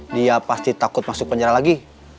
dia pasti takut masuk penjara lagi